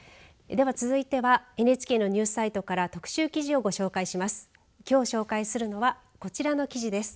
では続いてはＮＨＫのニュースサイトから特集記事をご紹介します。